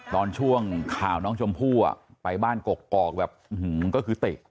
ตอนช่วงข่าวน้องชมพู่ไปบ้านกกอกแบบก็คือติ